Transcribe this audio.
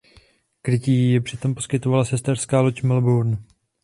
Krytí jí přitom poskytovala sesterská loď "Melbourne".